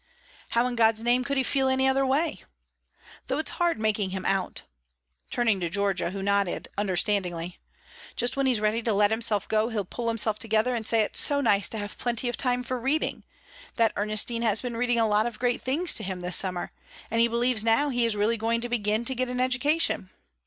"How in God's name could he feel any other way? though it's hard making him out," turning to Georgia, who nodded understandingly. "Just when he's ready to let himself go he'll pull himself together and say it's so nice to have plenty of time for reading, that Ernestine has been reading a lot of great things to him this summer, and he believes now he is really going to begin to get an education.